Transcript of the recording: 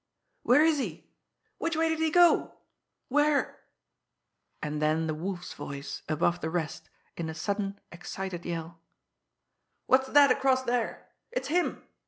"Where is he?... Which way did he go?... Where " And then the Wolf's voice, above the rest, in a sudden, excited yell: "What's that across there! It's him!